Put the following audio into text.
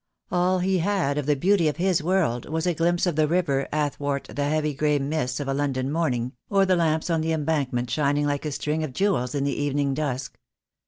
All he had of the beauty of his world was a glimpse of the river athwart the heavy grey mists of a London morning, or the lamps on the embankment shining like a string of jewels in the evening dusk.